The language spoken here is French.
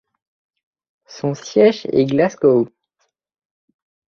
Son siège est Glasgow.